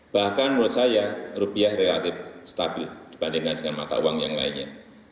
bahkan menurut saya rupiah relatif stabil dibandingkan dengan mata uang yang lainnya